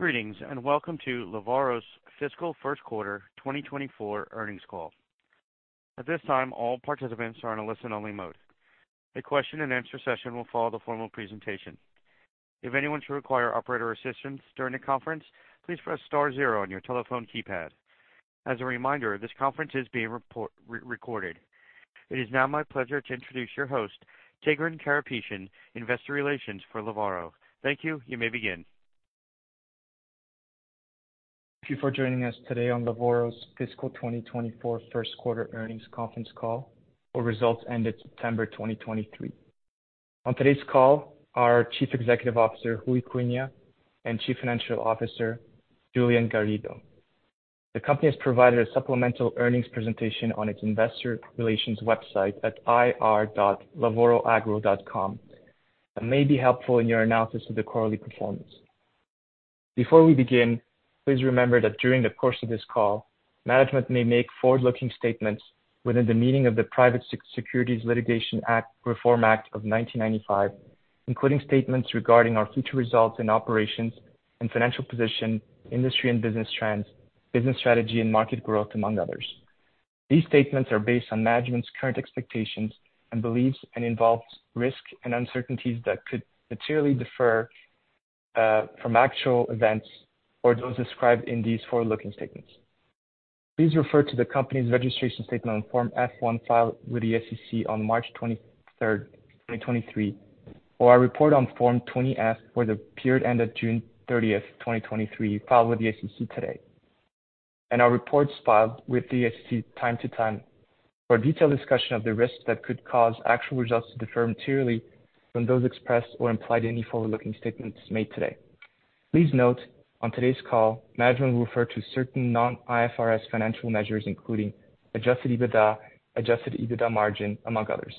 Greetings, and welcome to Lavoro's Fiscal First Quarter 2024 Earnings Call. At this time, all participants are on a listen-only mode. A question-and-answer session will follow the formal presentation. If anyone should require operator assistance during the conference, please press star zero on your telephone keypad. As a reminder, this conference is being recorded. It is now my pleasure to introduce your host, Tigran Karapetyan, Investor Relations for Lavoro. Thank you. You may begin. Thank you for joining us today on Lavoro's Fiscal 2024 First Quarter Earnings Conference Call, where results ended September 2023. On today's call, our Chief Executive Officer, Ruy Cunha, and Chief Financial Officer, Julian Garrido. The company has provided a supplemental earnings presentation on its investor relations website at ir.lavoroagro.com, that may be helpful in your analysis of the quarterly performance. Before we begin, please remember that during the course of this call, management may make forward-looking statements within the meaning of the Private Securities Litigation Reform Act of 1995, including statements regarding our future results and operations and financial position, industry and business trends, business strategy, and market growth, among others. These statements are based on management's current expectations and beliefs and involves risk and uncertainties that could materially differ, from actual events or those described in these forward-looking statements. Please refer to the company's registration statement on Form F-1, filed with the SEC on March 23, 2023, or our report on Form 20-F for the period ended June 30, 2023, filed with the SEC today, and our reports filed with the SEC from time to time, for a detailed discussion of the risks that could cause actual results to differ materially from those expressed or implied in any forward-looking statements made today. Please note, on today's call, management will refer to certain non-IFRS financial measures, including adjusted EBITDA, adjusted EBITDA margin, among others.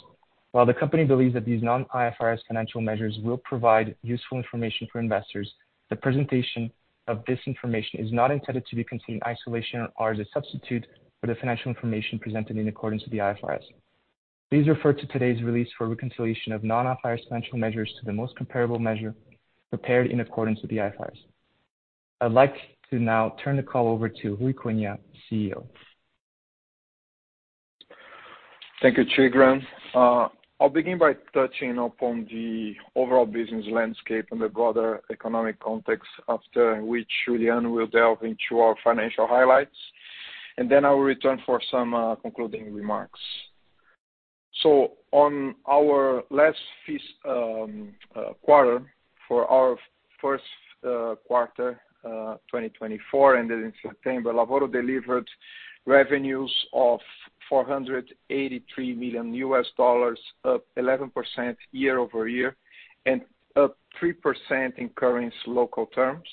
While the company believes that these non-IFRS financial measures will provide useful information for investors, the presentation of this information is not intended to be considered in isolation or as a substitute for the financial information presented in accordance with the IFRS. Please refer to today's release for reconciliation of non-IFRS financial measures to the most comparable measure prepared in accordance with the IFRS. I'd like to now turn the call over to Ruy Cunha, CEO. Thank you, Tigran. I'll begin by touching upon the overall business landscape and the broader economic context, after which Julian will delve into our financial highlights, and then I will return for some concluding remarks. So for our first quarter 2024, ended in September, Lavoro delivered revenues of $483 million, up 11% year-over-year, and up 3% in current local terms.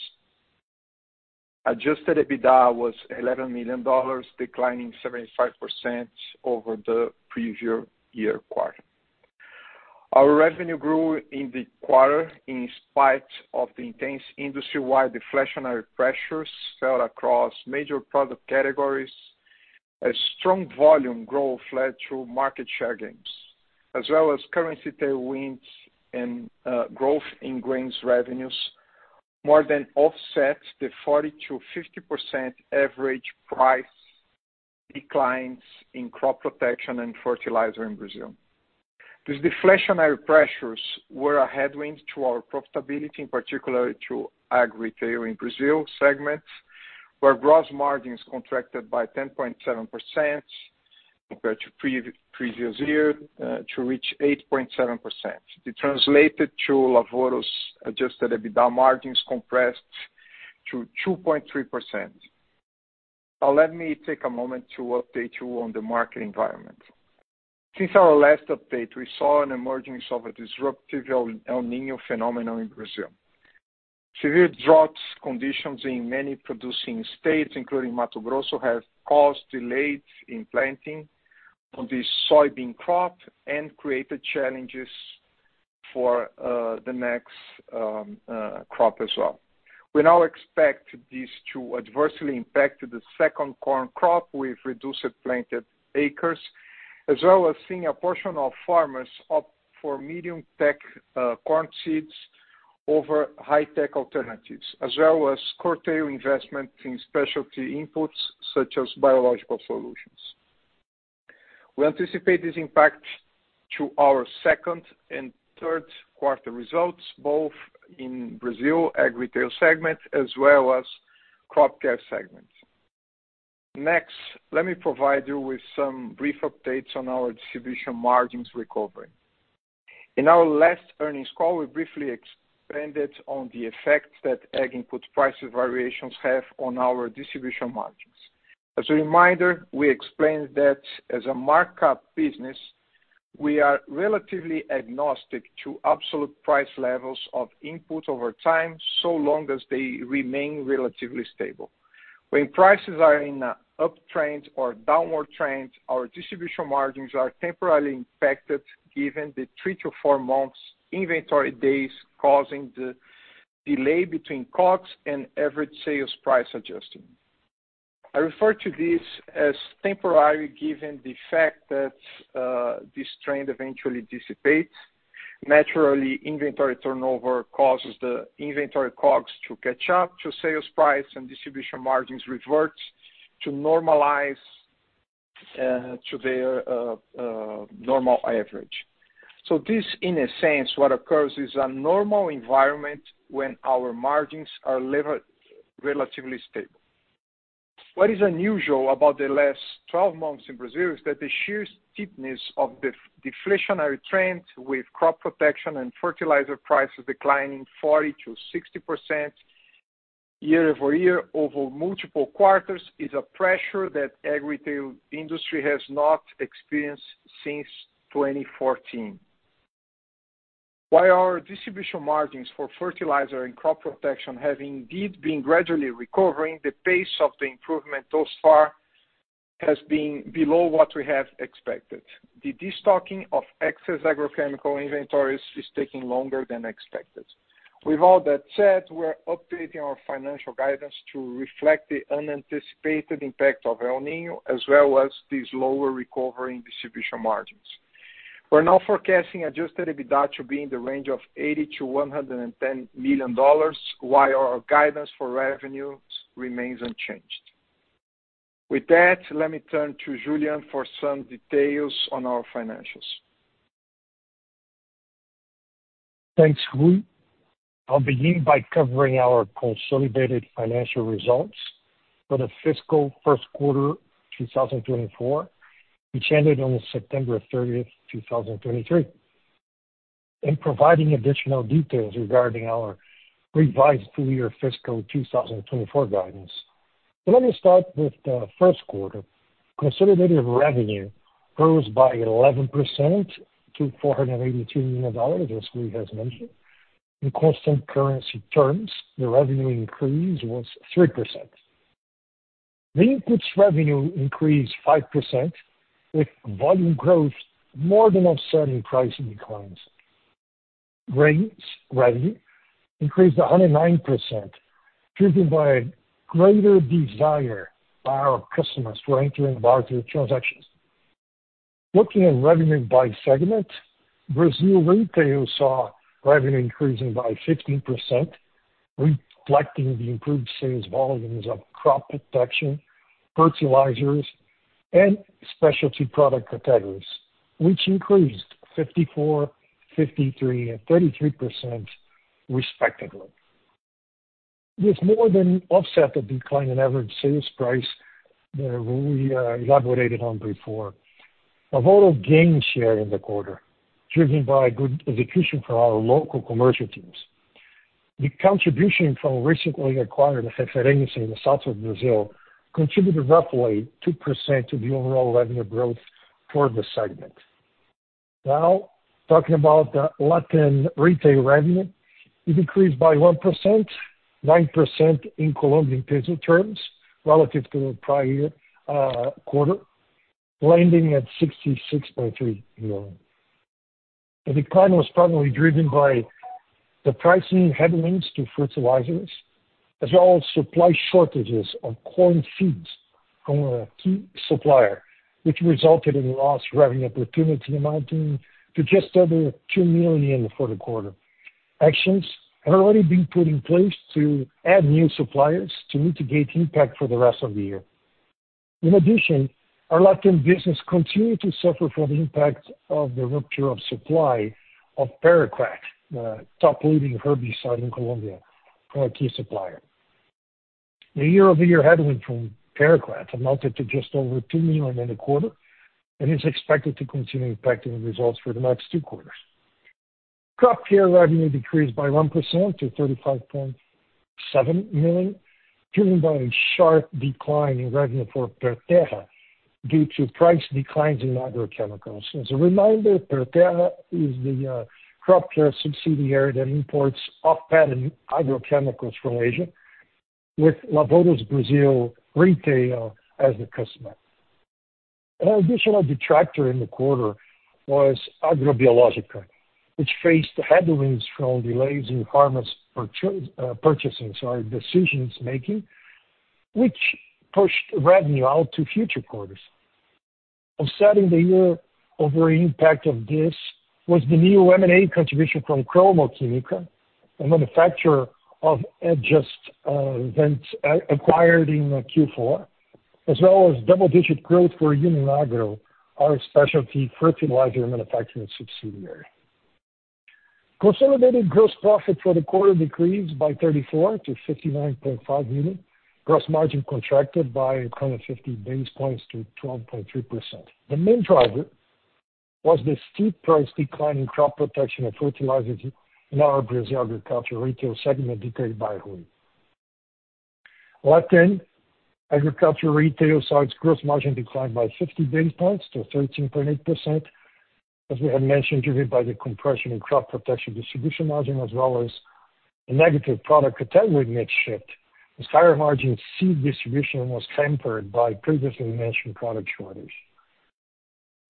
Adjusted EBITDA was $11 million, declining 75% over the previous year quarter. Our revenue grew in the quarter in spite of the intense industry-wide deflationary pressures fell across major product categories. A strong volume growth led through market share gains, as well as currency tailwinds and growth in grains revenues, more than offset the 40%-50% average price declines in crop protection and fertilizer in Brazil. These deflationary pressures were a headwind to our profitability, in particular to ag retail in Brazil segments, where gross margins contracted by 10.7% compared to previous year, to reach 8.7%. It translated to Lavoro's adjusted EBITDA margins compressed to 2.3%. Now, let me take a moment to update you on the market environment. Since our last update, we saw an emergence of a disruptive El Niño phenomenon in Brazil. Severe drought conditions in many producing states, including Mato Grosso, have caused delays in planting of the soybean crop and created challenges for the next crop as well. We now expect this to adversely impact the second corn crop, with reduced planted acres, as well as seeing a portion of farmers opt for medium-tech corn seeds over high-tech alternatives, as well as curtail investment in specialty inputs, such as biological solutions. We anticipate this impact to our second and third quarter results, both in Brazil ag retail segment as well as crop care segments. Next, let me provide you with some brief updates on our distribution margins recovery. In our last earnings call, we briefly expanded on the effects that ag input price variations have on our distribution margins. As a reminder, we explained that as a markup business, we are relatively agnostic to absolute price levels of input over time, so long as they remain relatively stable. When prices are in an uptrend or downward trend, our distribution margins are temporarily impacted, given the 3-4 months inventory days, causing the delay between COGS and average sales price adjustment. I refer to this as temporary, given the fact that, this trend eventually dissipates. Naturally, inventory turnover causes the inventory costs to catch up to sales price and distribution margins revert to normalize, to their, normal average. So this, in a sense, what occurs is a normal environment when our margins are relatively stable. What is unusual about the last 12 months in Brazil, is that the sheer steepness of the deflationary trend with crop protection and fertilizer prices declining 40%-60% year-over-year over multiple quarters, is a pressure that Ag retail industry has not experienced since 2014. While our distribution margins for fertilizer and crop protection have indeed been gradually recovering, the pace of the improvement thus far has been below what we have expected. The destocking of excess agrochemical inventories is taking longer than expected. With all that said, we're updating our financial guidance to reflect the unanticipated impact of El Niño, as well as the slower recovery in distribution margins. We're now forecasting Adjusted EBITDA to be in the range of $80 million-$110 million, while our guidance for revenues remains unchanged. With that, let me turn to Julian for some details on our financials. Thanks, Ruy. I'll begin by covering our consolidated financial results for the fiscal first quarter 2024, which ended on September 30, 2023, and providing additional details regarding our revised full year fiscal 2024 guidance. Let me start with the first quarter. Consolidated revenue rose by 11% to $482 million, as Ruy has mentioned. In constant currency terms, the revenue increase was 3%. The inputs revenue increased 5%, with volume growth more than offsetting price declines. Grains revenue increased 109%, driven by greater desire by our customers for entering larger transactions. Looking at revenue by segment, Brazil retail saw revenue increasing by 15%, reflecting the improved sales volumes of crop protection, fertilizers, and specialty product categories, which increased 54%, 53%, and 33%, respectively. This more than offset the decline in average sales price, Ruy elaborated on before. Lavoro gained share in the quarter, driven by good execution from our local commercial teams. The contribution from recently acquired Referência in the south of Brazil contributed roughly 2% to the overall revenue growth for the segment. Now, talking about the Latin retail revenue, it increased by 1%, 9% in Colombian peso terms, relative to the prior-year quarter, landing at $66.3 million. The decline was primarily driven by the pricing headwinds to fertilizers, as well as supply shortages of corn seeds from a key supplier, which resulted in lost revenue opportunity amounting to just over $2 million for the quarter. Actions have already been put in place to add new suppliers to mitigate impact for the rest of the year. In addition, our Latin business continued to suffer from the impact of the rupture of supply of Paraquat, top leading herbicide in Colombia, from a key supplier. The year-over-year headwind from Paraquat amounted to just over $2 million in the quarter, and is expected to continue impacting the results for the next two quarters. Crop care revenue decreased by 1% to $35.7 million, driven by a sharp decline in revenue for Perterra, due to price declines in agrochemicals. As a reminder, Perterra is the crop care subsidiary that imports off-patent agrochemicals from Asia, with Lavoro's Brazil retail as the customer. An additional detractor in the quarter was Agrobiológica, which faced headwinds from delays in farmers purchasing, sorry, decision making, which pushed revenue out to future quarters. Offsetting the year-over-year impact of this, was the new M&A contribution from Cromo Química, a manufacturer of adjuvants, acquired in Q4, as well as double-digit growth for Union Agro, our specialty fertilizer manufacturing subsidiary. Consolidated gross profit for the quarter decreased by 34% to $59.5 million. Gross margin contracted by 150 basis points to 12.3%. The main driver was the steep price decline in crop protection and fertilizers in our Brazil agriculture retail segment, detailed by Ruy. Latin agriculture retail saw its gross margin decline by 50 basis points to 13.8%, as we had mentioned, driven by the compression in crop protection distribution margin, as well as a negative product category mix shift, as higher margin seed distribution was hampered by previously mentioned product shortages.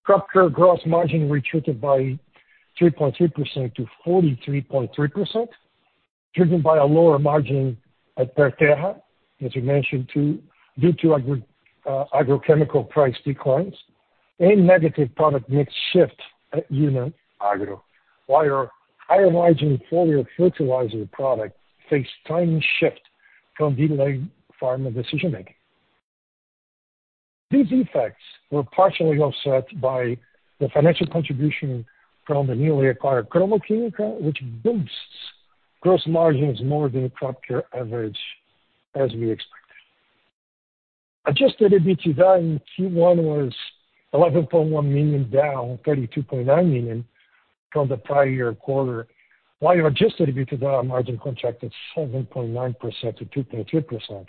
Crop Care gross margin retreated by 3.3%-43.3%, driven by a lower margin at Perterra, as you mentioned, due to agrochemical price declines and negative product mix shift at Union Agro, while our higher margin foliar fertilizer product faced timing shift from delayed farmer decision making. These effects were partially offset by the financial contribution from the newly acquired Cromo Química, which boosts gross margins more than the Crop Care average, as we expected. Adjusted EBITDA in Q1 was $11.1 million, down $32.9 million from the prior-year quarter, while adjusted EBITDA margin contracted 7.9%-2.3%,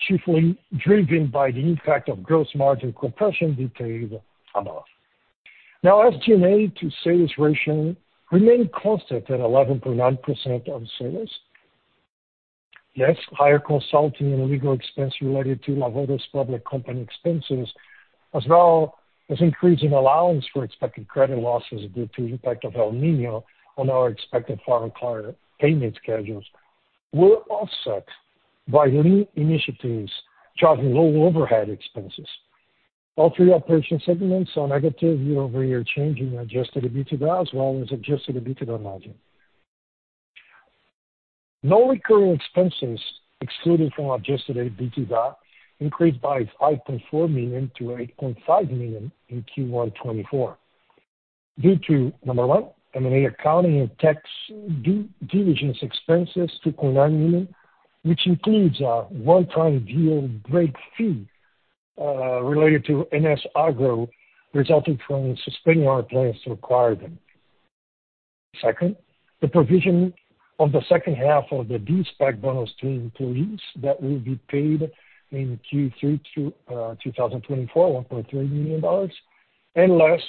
chiefly driven by the impact of gross margin compression detailed above. Now, SG&A to sales ratio remained constant at 11.9% of sales. Yes, higher consulting and legal expense related to Lavoro's public company expenses, as well as increasing allowance for expected credit losses due to the impact of El Niño on our expected farm client payment schedules, were offset by lean initiatives charging low overhead expenses. All three operation segments saw negative year-over-year change in adjusted EBITDA as well as adjusted EBITDA margin. Non-recurring expenses excluded from adjusted EBITDA increased by $5.4 million to $8.5 million in Q1 2024, due to, number one, M&A accounting and tax due diligence expenses to $9 million, which includes a one-time deal break fee related to NS Agro, resulting from suspending our plans to acquire them. Second, the provision of the second half of the De-PAC bonus to employees that will be paid in Q3 2024, $1.3 million. And last,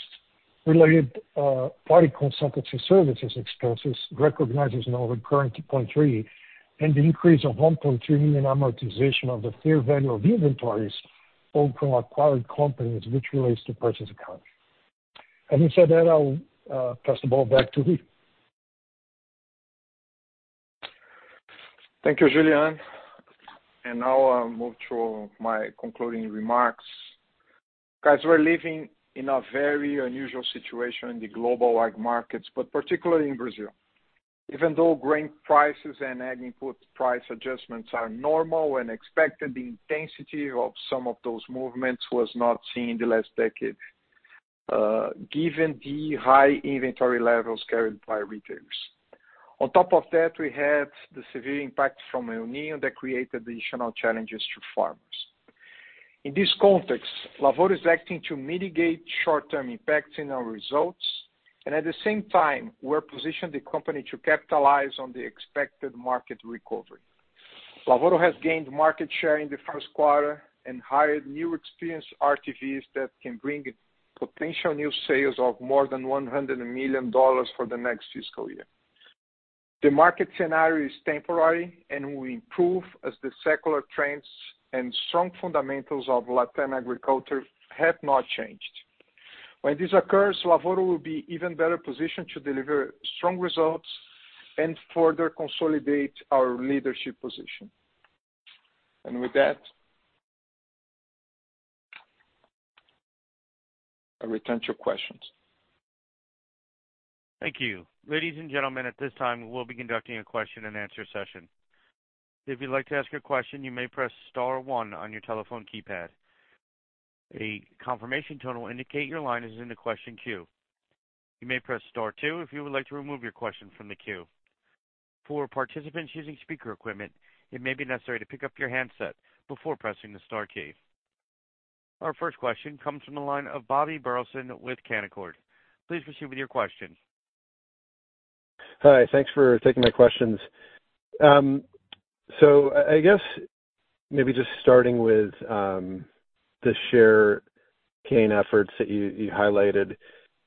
related party consultancy services expenses recognized as non-recurring to 0.3, and the increase of $1.2 million amortization of the fair value of inventories owned from acquired companies, which relates to purchase accounting. Having said that, I'll pass the ball back to Ruy. Thank you, Julian. Now I'll move to my concluding remarks. Guys, we're living in a very unusual situation in the global ag markets, but particularly in Brazil. Even though grain prices and ag input price adjustments are normal when expected, the intensity of some of those movements was not seen in the last decade, given the high inventory levels carried by retailers. On top of that, we had the severe impact from El Niño that created additional challenges to farmers. In this context, Lavoro is acting to mitigate short-term impacts in our results, and at the same time, we're positioning the company to capitalize on the expected market recovery. Lavoro has gained market share in the first quarter and hired new experienced RTVs that can bring potential new sales of more than $100 million for the next fiscal year. The market scenario is temporary and will improve as the secular trends and strong fundamentals of Latin agriculture have not changed. When this occurs, Lavoro will be even better positioned to deliver strong results and further consolidate our leadership position. With that, I return to your questions. Thank you. Ladies and gentlemen, at this time, we will be conducting a question-and-answer session. If you'd like to ask a question, you may press star one on your telephone keypad. A confirmation tone will indicate your line is in the question queue. You may press star two if you would like to remove your question from the queue. For participants using speaker equipment, it may be necessary to pick up your handset before pressing the star key. Our first question comes from the line of Bobby Burleson with Canaccord. Please proceed with your question. Hi, thanks for taking my questions. So I guess maybe just starting with the share gain efforts that you highlighted.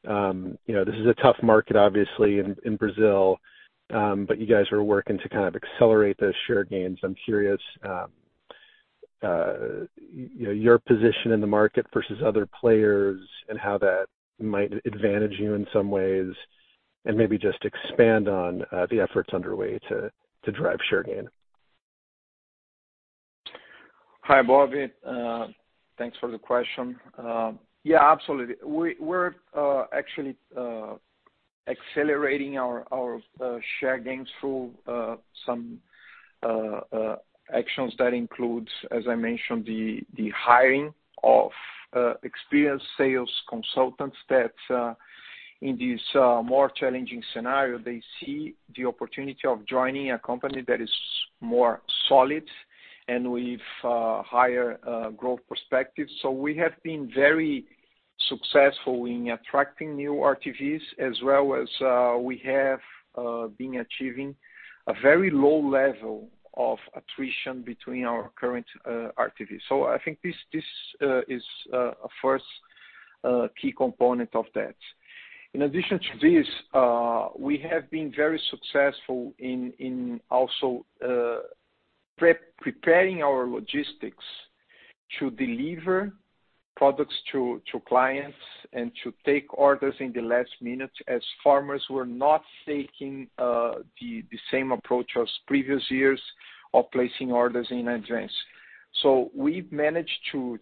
You know, this is a tough market, obviously, in Brazil, but you guys are working to kind of accelerate those share gains. I'm curious, you know, your position in the market versus other players and how that might advantage you in some ways, and maybe just expand on the efforts underway to drive share gain. Hi, Bobby, thanks for the question. Yeah, absolutely. We're actually accelerating our share gains through some actions that includes, as I mentioned, the hiring of experienced sales consultants that in this more challenging scenario, they see the opportunity of joining a company that is more solid and with higher growth perspective. So we have been very successful in attracting new RTVs as well as we have been achieving a very low level of attrition between our current RTVs. So I think this is a first key component of that. In addition to this, we have been very successful in also... preparing our logistics to deliver products to clients and to take orders in the last minute, as farmers were not taking the same approach as previous years of placing orders in advance. So we've managed to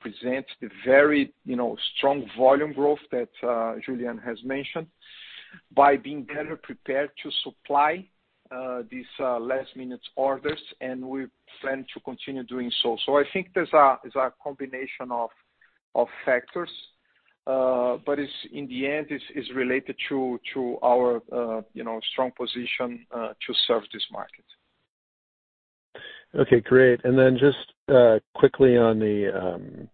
present the very, you know, strong volume growth that Julian has mentioned, by being better prepared to supply these last-minute orders, and we plan to continue doing so. So I think there's a, it's a combination of factors, but it's, in the end, it's related to our, you know, strong position to serve this market. Okay, great. And then just quickly on the,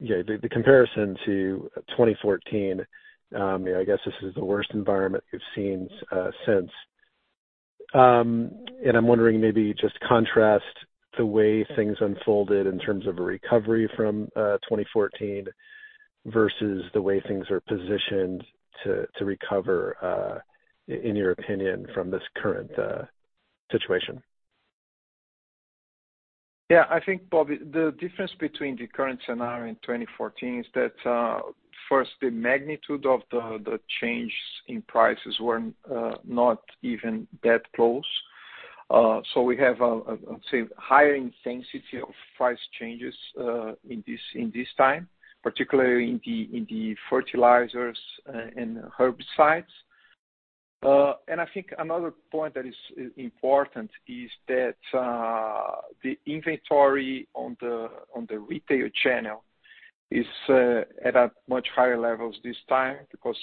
yeah, the comparison to 2014, I guess this is the worst environment we've seen since. And I'm wondering, maybe just contrast the way things unfolded in terms of a recovery from 2014 versus the way things are positioned to recover, in your opinion, from this current situation. Yeah, I think, Bobby, the difference between the current scenario and 2014 is that, first, the magnitude of the change in prices were not even that close. So we have, say, higher intensity of price changes in this time, particularly in the fertilizers and herbicides. And I think another point that is important is that the inventory on the retail channel is at a much higher levels this time because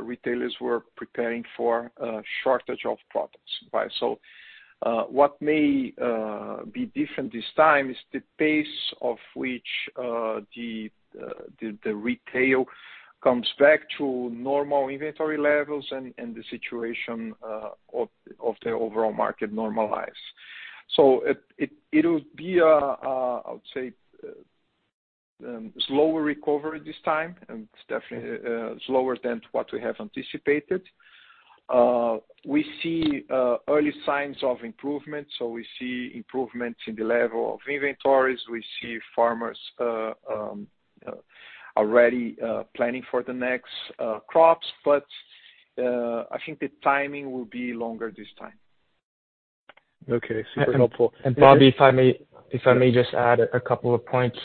retailers were preparing for a shortage of products, right? So what may be different this time is the pace of which the retail comes back to normal inventory levels and the situation of the overall market normalizes. So it will be a, I would say, slower recovery this time, and it's definitely slower than what we have anticipated. We see early signs of improvement, so we see improvements in the level of inventories. We see farmers already planning for the next crops, but I think the timing will be longer this time. Okay, super helpful. And Bobby, if I may, if I may just add a couple of points.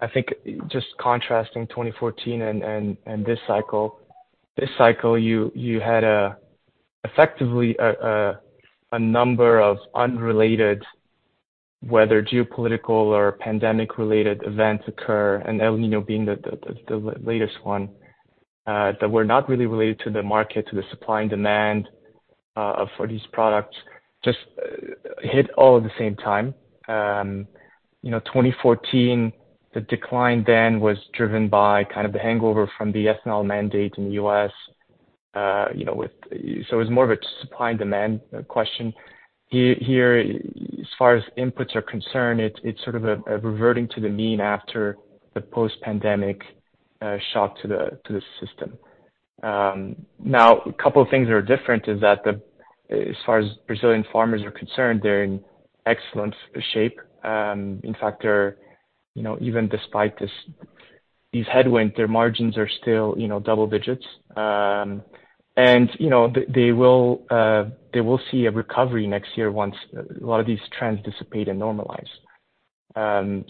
I think just contrasting 2014 and this cycle. This cycle, you had effectively a number of unrelated, whether geopolitical or pandemic-related events occur, and El Niño being the latest one, that were not really related to the market, to the supply and demand for these products, just hit all at the same time. You know, 2014, the decline then was driven by kind of the hangover from the ethanol mandate in the U.S., you know, with... So it was more of a supply and demand question. Here, here, as far as inputs are concerned, it's sort of a reverting to the mean after the post-pandemic shock to the system. Now, a couple of things that are different is that as far as Brazilian farmers are concerned, they're in excellent shape. In fact, they're, you know, even despite this, these headwinds, their margins are still, you know, double digits. And, you know, they will see a recovery next year once a lot of these trends dissipate and normalize.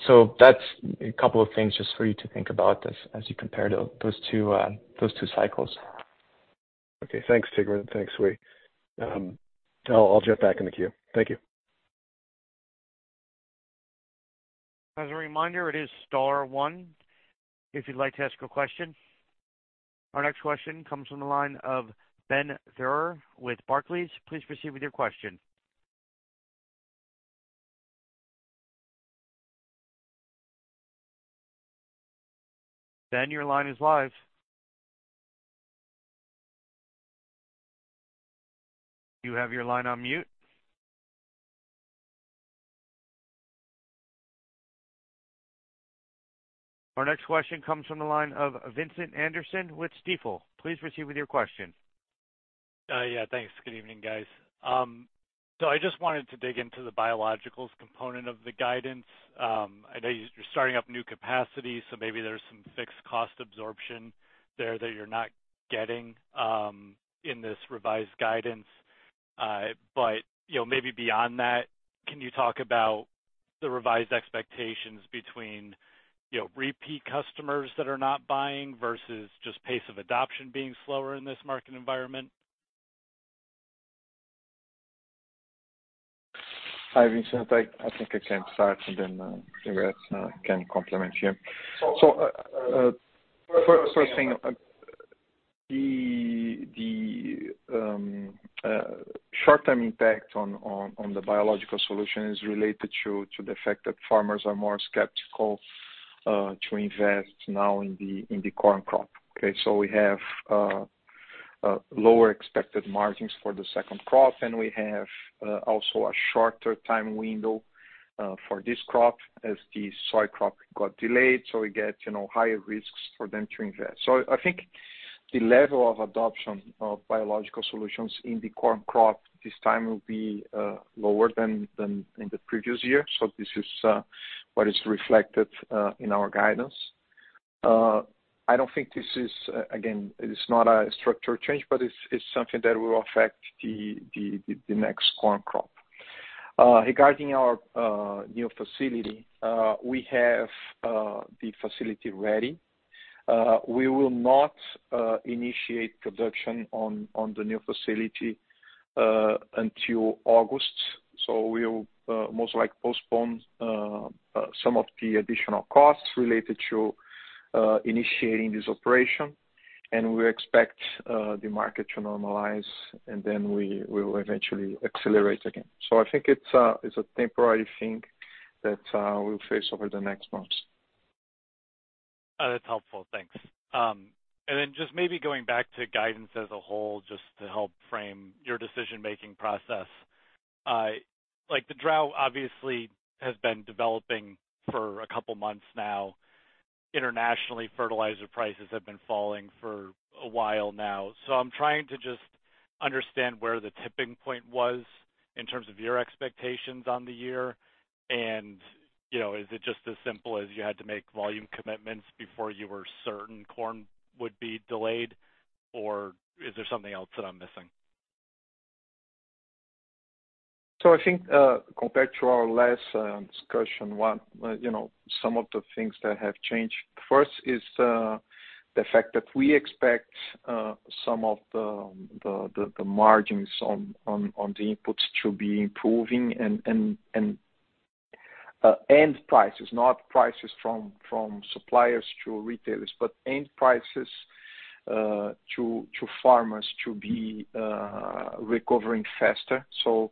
So that's a couple of things just for you to think about as you compare those two cycles. Okay, thanks, Tigran. Thanks, Ruy. I'll jump back in the queue. Thank you. As a reminder, it is star one if you'd like to ask a question. Our next question comes from the line of Ben Theurer with Barclays. Please proceed with your question. Ben, your line is live. You have your line on mute. Our next question comes from the line of Vincent Anderson with Stifel. Please proceed with your question. Yeah, thanks. Good evening, guys. So I just wanted to dig into the biologicals component of the guidance. I know you're starting up new capacity, so maybe there's some fixed cost absorption there that you're not getting, in this revised guidance. But, you know, maybe beyond that, can you talk about the revised expectations between, you know, repeat customers that are not buying versus just pace of adoption being slower in this market environment? Hi, Vincent. I think I can start, and then, the rest can complement here. So, first thing, the short-term impact on the biological solution is related to the fact that farmers are more skeptical to invest now in the corn crop. Okay, so we have a lower expected margins for the second crop, and we have also a shorter time window for this crop as the soy crop got delayed, so we get, you know, higher risks for them to invest. So I think the level of adoption of biological solutions in the corn crop this time will be lower than in the previous year. So this is what is reflected in our guidance. I don't think this is, again, it is not a structural change, but it's something that will affect the next corn crop. Regarding our new facility, we have the facility ready. We will not initiate production on the new facility until August, so we will most likely postpone some of the additional costs related to initiating this operation. And we expect the market to normalize, and then we will eventually accelerate again. So I think it's a temporary thing that we'll face over the next months. That's helpful. Thanks. And then just maybe going back to guidance as a whole, just to help frame your decision-making process. Like, the drought obviously has been developing for a couple months now. Internationally, fertilizer prices have been falling for a while now. So I'm trying to just understand where the tipping point was in terms of your expectations on the year, and, you know, is it just as simple as you had to make volume commitments before you were certain corn would be delayed, or is there something else that I'm missing? So I think, compared to our last discussion, what, you know, some of the things that have changed. First is the fact that we expect some of the margins on the inputs to be improving and end prices, not prices from suppliers to retailers, but end prices to farmers to be recovering faster. So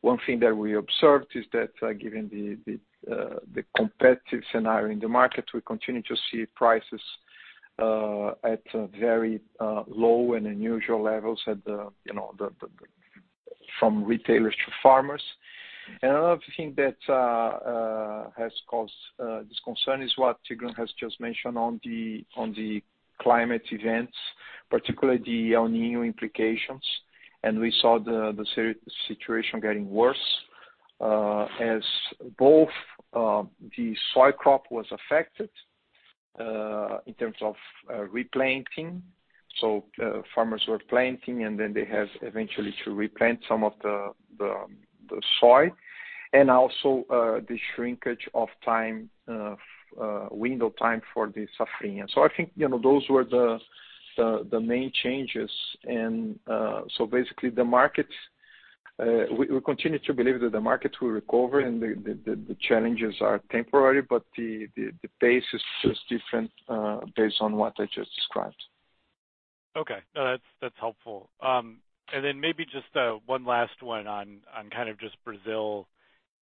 one thing that we observed is that, given the competitive scenario in the market, we continue to see prices at very low and unusual levels, you know, from retailers to farmers. Another thing that has caused this concern is what Tigran has just mentioned on the climate events, particularly the El Niño implications. We saw the situation getting worse as both the soy crop was affected in terms of replanting. So farmers were planting, and then they have eventually to replant some of the soy, and also the shrinkage of the time window for the safrinha. So I think, you know, those were the main changes. And so basically, the market we continue to believe that the market will recover and the challenges are temporary, but the pace is just different based on what I just described. Okay. No, that's, that's helpful. And then maybe just one last one on kind of just Brazil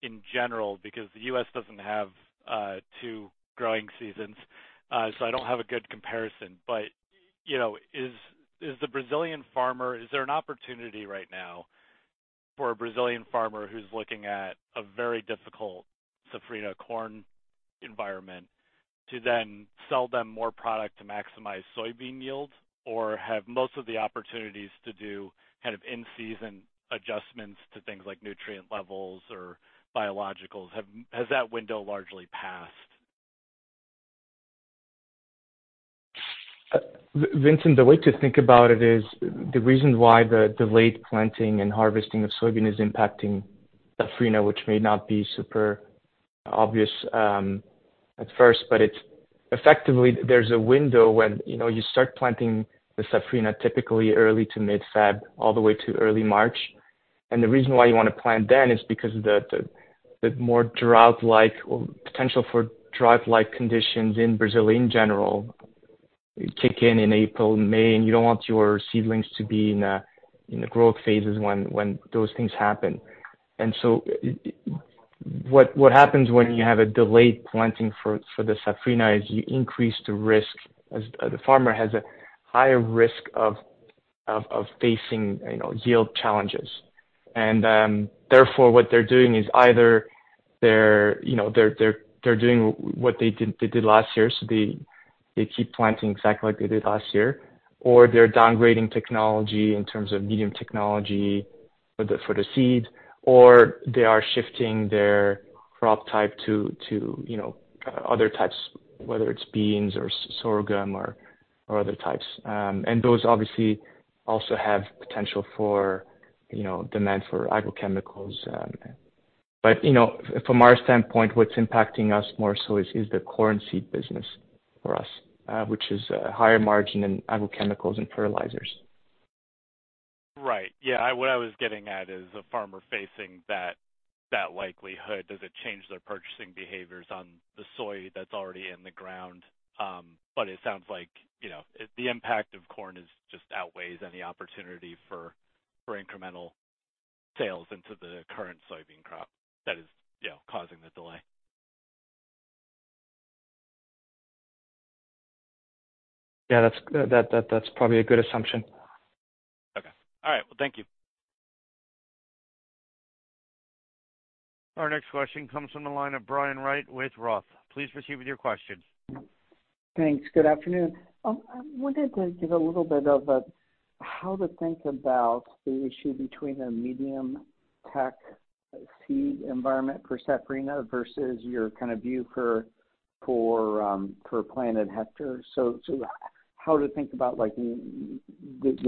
in general, because the U.S. doesn't have two growing seasons, so I don't have a good comparison. But is the Brazilian farmer, is there an opportunity right now for a Brazilian farmer who's looking at a very difficult Safrinha corn environment, to then sell them more product to maximize soybean yields? Or have most of the opportunities to do kind of in-season adjustments to things like nutrient levels or biologicals has that window largely passed? Vincent, the way to think about it is the reason why the delayed planting and harvesting of soybean is impacting Safrinha, which may not be super obvious at first, but it's effectively, there's a window when you start planting the Safrinha, typically early to mid-February, all the way to early March. And the reason why you want to plant then is because the more drought-like or potential for drought-like conditions in Brazil in general kick in in April, May, and you don't want your seedlings to be in the growth phases when those things happen. And so what happens when you have a delayed planting for the Safrinha is you increase the risk, the farmer has a higher risk of facing, you know, yield challenges. Therefore, what they're doing is either they're, you know, doing what they did last year, so they keep planting exactly like they did last year, or they're downgrading technology in terms of medium technology for the seed, or they are shifting their crop type to, you know, other types, whether it's beans or sorghum or other types. And those obviously also have potential for, you know, demand for agrochemicals. But, you know, from our standpoint, what's impacting us more so is the corn seed business for us, which is higher margin in agrochemicals and fertilizers. Right. Yeah, what I was getting at is a farmer facing that likelihood, does it change their purchasing behaviors on the soy that's already in the ground? But it sounds like, you know, the impact of corn just outweighs any opportunity for incremental sales into the current soybean crop that is, you know, causing the delay. Yeah, that's probably a good assumption. Okay. All right, well, thank you. Next question comes from the line of Brian Wright with Roth. Please proceed with your question. Thanks. Good afternoon. I wanted to give a little bit of how to think about the issue between a medium tech seed environment for Safrinha versus your kind of view for planted hectares. So how to think about the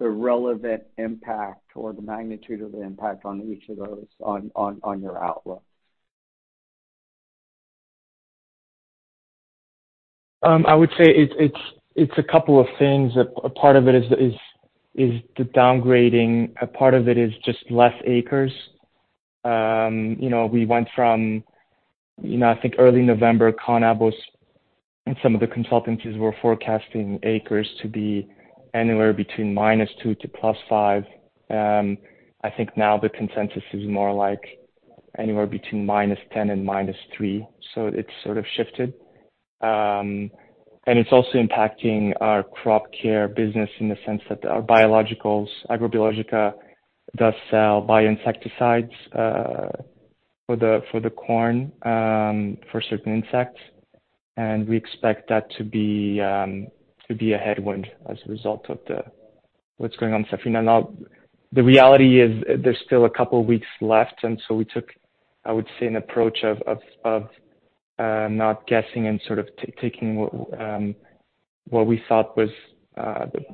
relevant impact or the magnitude of the impact on each of those on your outlook? I would say it's a couple of things. A part of it is the downgrading. A part of it is just less acres. You know, we went from, you know, I think early November, Conab was, and some of the consultancies were forecasting acres to be anywhere between -2 to +5. I think now the consensus is more like anywhere between -10 and -3. So it's sort of shifted. And it's also impacting our crop care business in the sense that our biologicals, Agrobiológica, does sell bio insecticides for the corn for certain insects. And we expect that to be a headwind as a result of what's going on in Safrinha. Now, the reality is there's still a couple of weeks left, and so we took, I would say, an approach of not guessing and sort of taking what, what we thought was,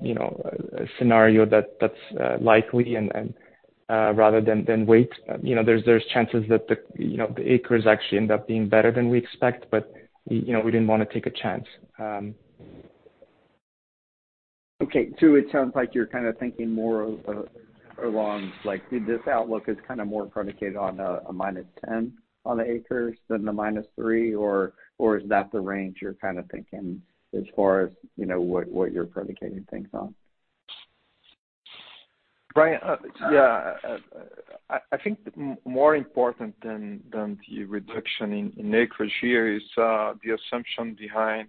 you know, a scenario that's likely and rather than wait. You know, there's chances that the acres actually end up being better than we expect, but, you know, we didn't wanna take a chance. Okay, so it sounds like you're kind of thinking more of along like this outlook is kind of more predicated on a -10 on the acres than the -3, or is that the range you're kind of thinking as far as, you know, what you're predicating things on? Brian, yeah, I think more important than the reduction in acreage here is the assumption behind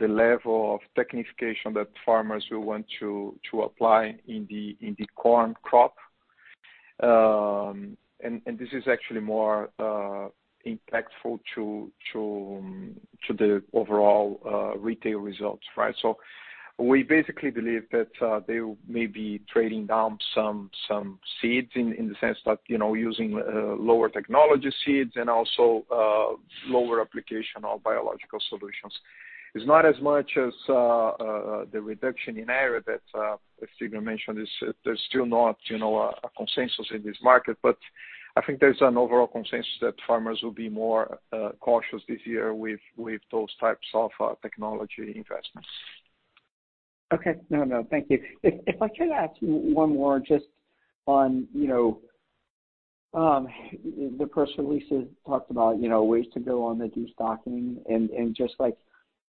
the level of technification that farmers will want to apply in the corn crop. And this is actually more impactful to the overall retail results, right? So we basically believe that they may be trading down some seeds in the sense that, you know, using lower technology seeds and also lower application of biological solutions. It's not as much as the reduction in area that as Tigran mentioned, is there's still not, you know, a consensus in this market. But I think there's an overall consensus that farmers will be more cautious this year with those types of technology investments. Okay. No, thank you. If I could ask one more just on, you know, the press release talked about ways to go on the destocking and just like,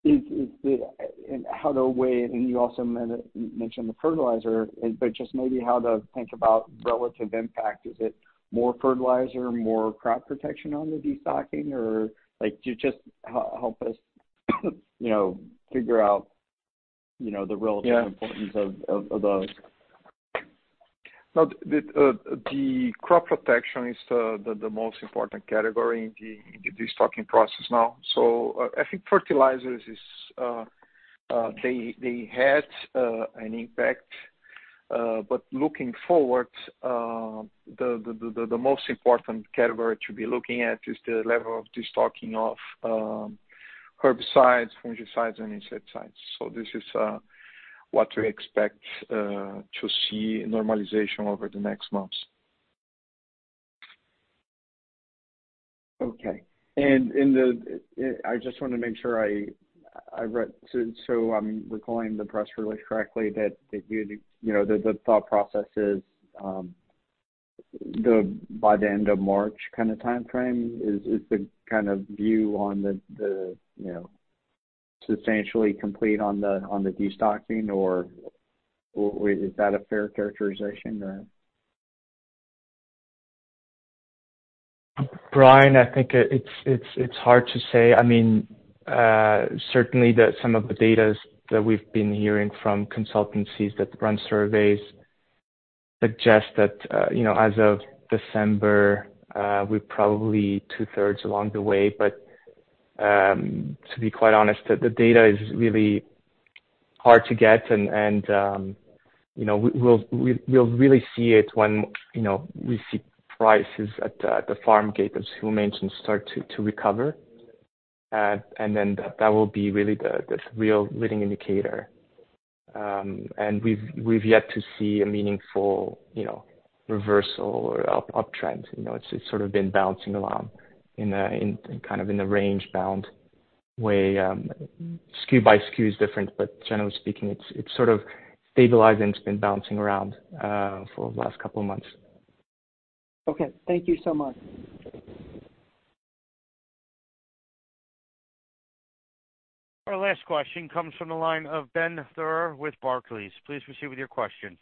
and how to weigh, and you also mentioned the fertilizer, but just maybe how to think about relative impact. Is it more fertilizer, more crop protection on the destocking, or like, just help us, you know, figure out the relative importance of those. No, the crop protection is the most important category in the destocking process now. So, I think fertilizers, they had an impact, but looking forward, the most important category to be looking at is the level of destocking of herbicides, fungicides, and insecticides. So this is what we expect to see normalization over the next months. Okay. And in the, I just wanna make sure I read, so I'm recalling the press release correctly, that, that you the thought process is, by the end of March kind of timeframe, is the kind of view on the substantially complete on the destocking, or is that a fair characterization, or? Brian, I think, it's hard to say. I mean, certainly that some of the data that we've been hearing from consultancies that run surveys suggest that as of December, we're probably 2/3 along the way. But, to be quite honest, the data is really hard to get, and, you know, we'll really see it when, you know, we see prices at the farm gate, as Ruy mentioned, start to recover. And then that will be really the real leading indicator. And we've yet to see a meaningful, you know, reversal or uptrend. You know, it's sort of been bouncing along in a kind of in a range-bound way. SKU by SKU is different, but generally speaking, it's stabilized, and it's been bouncing around for the last couple of months. Okay. Thank you so much. Our last question comes from the line of Ben Theurer with Barclays. Please proceed with your question.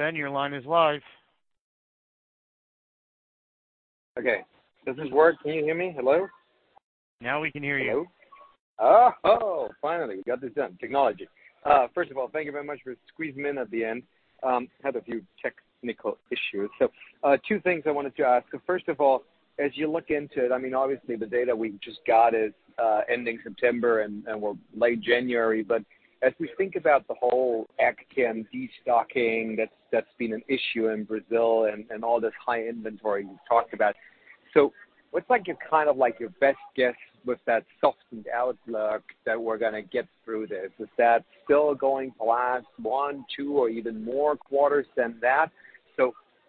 Ben, your line is live. Okay. Does this work? Can you hear me? Hello? Now we can hear you. Hello. Oh, finally, we got this done. Technology! First of all, thank you very much for squeezing me in at the end. Had a few technical issues. So, two things I wanted to ask. So first of all, as you look into it, I mean, obviously, the data we just got is, ending September, and, and we're late January. But as we think about the whole Ag Chem destocking, that's been an issue in Brazil and, and all this high inventory you talked about. So what's like your kind of, like, your best guess with that softened outlook that we're gonna get through this? Is that still going to last one, two or even more quarters than that?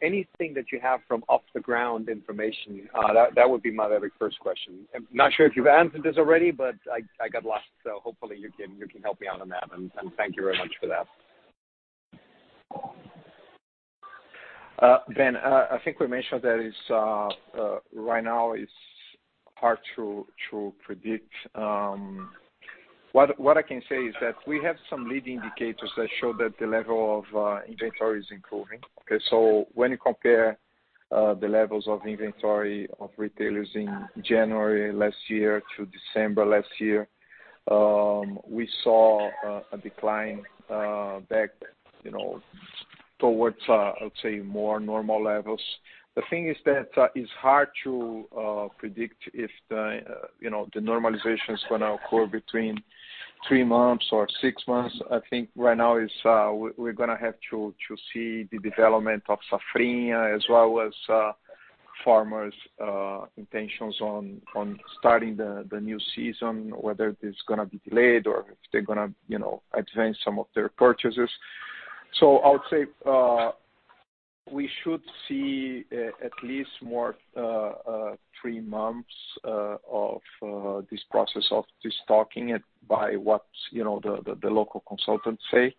So anything that you have from off-the-ground information, that would be my very first question. I'm not sure if you've answered this already, but I got lost, so hopefully you can help me out on that, and thank you very much for that. Ben, I think we mentioned that it's right now it's hard to predict. What I can say is that we have some lead indicators that show that the level of inventory is improving, okay? So when you compare the levels of inventory of retailers in January last year to December last year, we saw a decline back, you know, towards, I would say, more normal levels. The thing is that it's hard to predict if the, you know, the normalizations are gonna occur between three months or six months. I think right now, it's, we're gonna have to see the development of Safrinha, as well as, farmers' intentions on starting the new season, whether it's gonna be delayed or if they're gonna, you know, advance some of their purchases. So I would say, we should see at least more three months of this process of destocking it by what the local consultants say,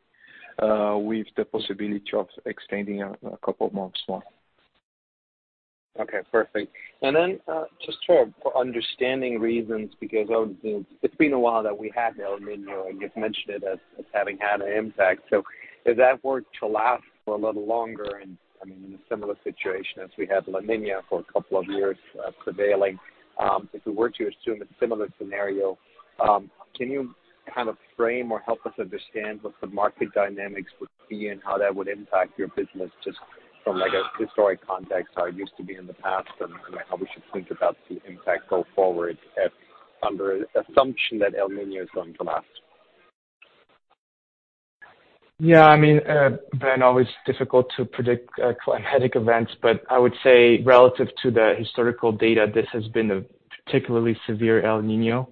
with the possibility of extending a couple of months more. Okay, perfect. And then, just for understanding reasons, because, it's been a while that we had El Niño, and you've mentioned it as having had an impact. So if that were to last for a little longer, and, I mean, in a similar situation as we had La Niña for a couple of years, prevailing, if we were to assume a similar scenario, can you kind of frame or help us understand what the market dynamics would be and how that would impact your business, just from, like, a historic context, how it used to be in the past, and how we should think about the impact go forward, if under an assumption that El Niño is going to last? Ben, always difficult to predict climatic events, but I would say relative to the historical data, this has been a particularly severe El Niño.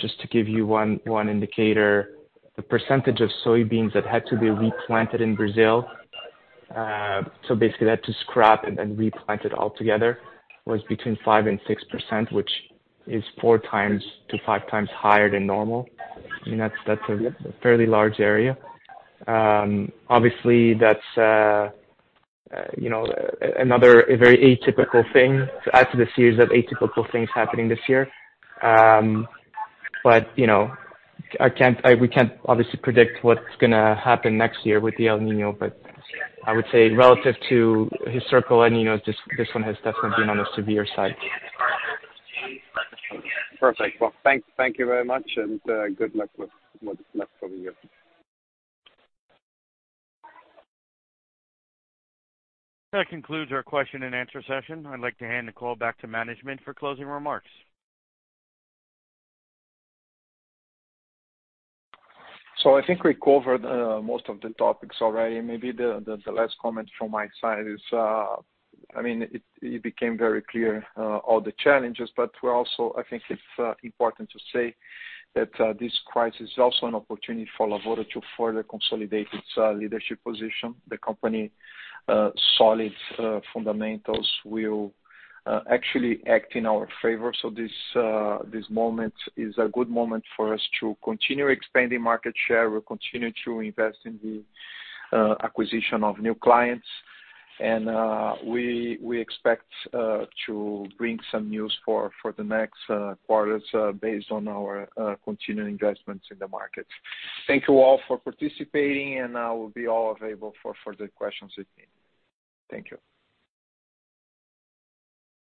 Just to give you one indicator, the percentage of soybeans that had to be replanted in Brazil, so basically had to scrap and replant it altogether, was between 5%-6%, which is 4x-5x higher than normal. I mean, that's a fairly large area. Obviously, that's, you know, another very atypical thing to add to the series of atypical things happening this year. But, we can't obviously predict what's gonna happen next year with the El Niño, but I would say relative to historical El Niño, this one has definitely been on the severe side. Perfect. Well, thank you very much, and good luck with what's left for the year. That concludes our question and answer session. I'd like to hand the call back to management for closing remarks. So I think we covered most of the topics already. Maybe the last comment from my side is. I mean, it became very clear all the challenges, but we're also. I think it's important to say that this crisis is also an opportunity for Lavoro to further consolidate its leadership position. The company solid fundamentals will actually act in our favor. So this moment is a good moment for us to continue expanding market share. We'll continue to invest in the acquisition of new clients, and we expect to bring some news for the next quarters based on our continuing investments in the market. Thank you all for participating, and I will be all available for further questions you need. Thank you.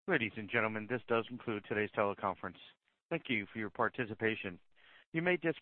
Ladies and gentlemen, this does conclude today's teleconference. Thank you for your participation. You may disconnect.